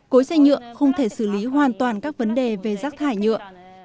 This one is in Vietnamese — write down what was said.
cối xe nhựa không thể xử lý hoàn toàn các vấn đề về rác thải nhựa